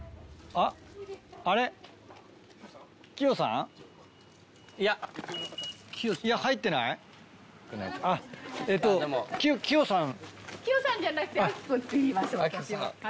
あっキヨさん！